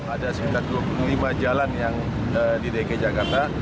ada sekitar dua puluh lima jalan yang di dki jakarta